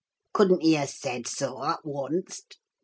"Couldn't ye ha' said soa, at onst?